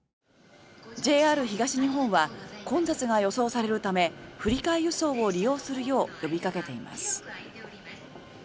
ＪＲ東日本は混雑が予想されるため振り替え輸送を利用するよう呼びかけています。